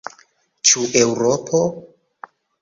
Ĉu Eŭropo?